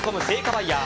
バイヤー